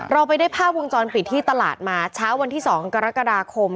เราไปได้ภาพวงจรปิดที่ตลาดมาเช้าวันที่๒กรกฎาคม